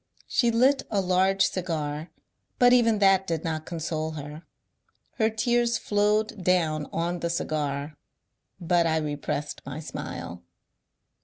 She lit a large cigar, but even that did not con sole her ; her tears flowed down on the cigar, but I repressed my smile.